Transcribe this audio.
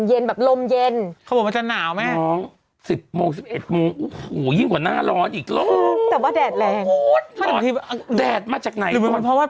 เป็นแบบนี้เลยทำรายการคนอื่นเป็น